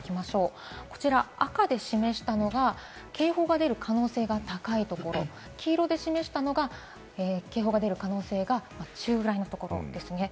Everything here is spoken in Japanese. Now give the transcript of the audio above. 赤で示したのが、警報が出る可能性が高いところ、黄色で示したのが、警報が出る可能性が中ぐらいのところですね。